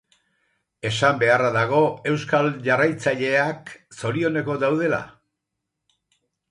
Esan beharra dago euskal jarraitzaileak zorioneko daudela.